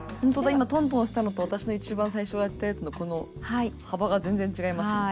今トントンしたのと私の一番最初やったやつのこの幅が全然違いますね。